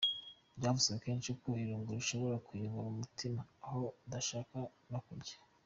Byavuzwe kenshi ko irungu rishobora kuyobora umuntu aho adashaka no kujya.